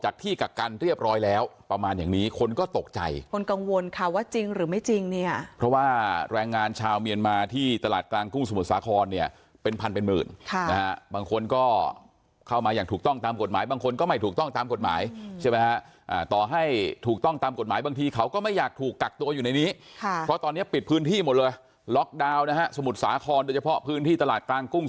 แปลงงานชาวเมียนมาที่ตลาดกลางกุ้งสมุทรสาครเนี่ยเป็นพันเป็นหมื่นค่ะนะฮะบางคนก็เข้ามาอย่างถูกต้องตามกฎหมายบางคนก็ไม่ถูกต้องตามกฎหมายใช่ไหมฮะอ่าต่อให้ถูกต้องตามกฎหมายบางทีเขาก็ไม่อยากถูกกักตัวอยู่ในนี้ค่ะเพราะตอนเนี้ยปิดพื้นที่หมดเลยล็อคดาวน์นะฮะสมุทรสาครโดยเฉพาะพื้นที่ตลาด